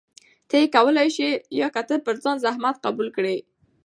ته يې کولى شې يا که ته زحمت پر ځان قبول کړي؟